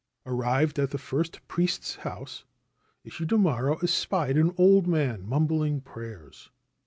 Arrived at the first priest's house, Ishidomaro espied an old man mumbling prayers.